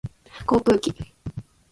航空機